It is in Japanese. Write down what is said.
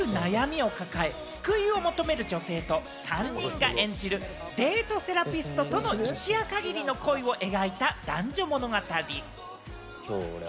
映画はある悩みを抱え、救いを求める女性と３人が演じるデードセラピストとの一夜限りの恋を描いた男女物語。